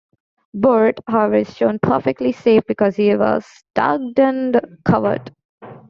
Bert, however, is shown perfectly safe, because he has ducked and covered.